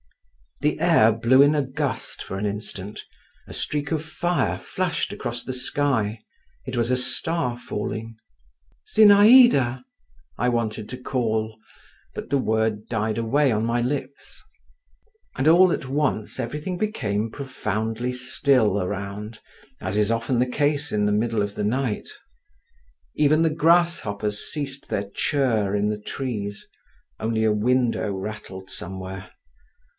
The air blew in a gust for an instant; a streak of fire flashed across the sky; it was a star falling. "Zinaïda?" I wanted to call, but the word died away on my lips. And all at once everything became profoundly still around, as is often the case in the middle of the night…. Even the grasshoppers ceased their churr in the trees—only a window rattled somewhere.